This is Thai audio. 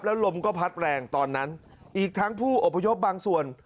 ลมก็พัดแรงตอนนั้นอีกทั้งผู้อพยพบางส่วน